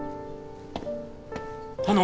あの！